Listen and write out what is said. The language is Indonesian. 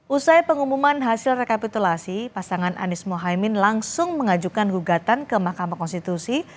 usai pengumuman hasil rekapitulasi pasangan anies mohaimin langsung mengajukan gugatan ke mahkamah konstitusi